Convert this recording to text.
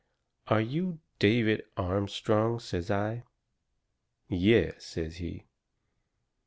"Are you David Armstrong?" says I. "Yes," says he.